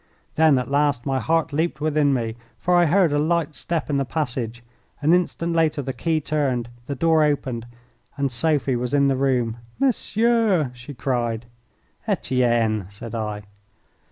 Then at last my heart leaped within me, for I heard a light step in the passage. An instant later the key turned, the door opened, and Sophie was in the room. "Monsieur " she cried. "Etienne," said I.